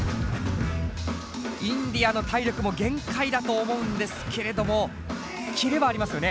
Ｉｎｄｉａの体力も限界だと思うんですけれどもキレはありますよね。